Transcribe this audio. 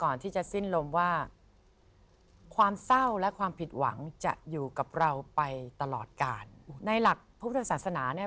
ในหลักพระพุทธศาสนาเนี่ย